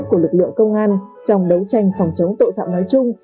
của lực lượng công an trong đấu tranh phòng chống tội phạm nói chung